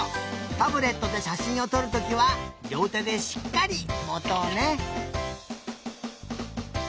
タブレットでしゃしんをとるときはりょうてでしっかりもとうね。